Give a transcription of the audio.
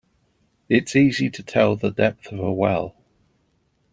It's easy to tell the depth of a well.